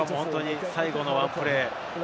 最後のワンプレー。